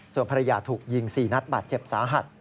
ส่วนภรรยาถูกยิง๔นัดบาดเจ็บสาหัส